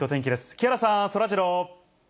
木原さん、そらジロー。